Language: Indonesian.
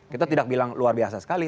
kita tidak bilang luar biasa sekali